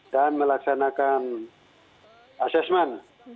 dan melaksanakan asesmen